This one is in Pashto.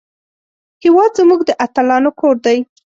هېواد زموږ د اتلانو کور دی